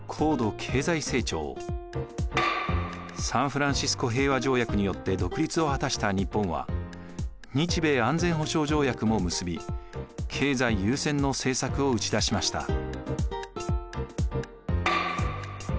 サンフランシスコ平和条約によって独立を果たした日本は日米安全保障条約も結び経済優先の政策を打ち出しました。